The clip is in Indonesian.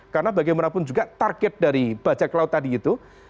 karena bagaimanapun juga target dari bajak laut tadi itu